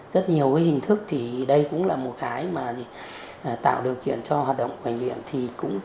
rất nhiều hình thức thì đây cũng là một cái mà tạo điều kiện cho hoạt động của bệnh viện